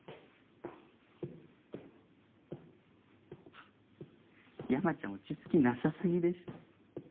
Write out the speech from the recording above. フッ山ちゃん落ち着きなさ過ぎでしょ。